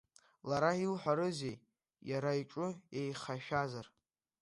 Лара илҳәарызи, иара иҿы еихашәазар?